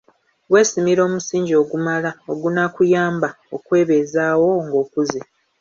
"Weesimira omusingi ogumala, ogunaakuyamba okwebeezaawo ng'okuze."